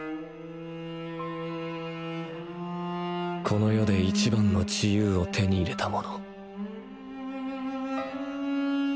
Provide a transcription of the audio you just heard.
この世で一番の自由を手に入れた者。